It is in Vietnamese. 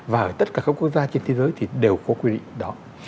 và ở tất cả các quốc gia trên thế giới thì đều có quy định đó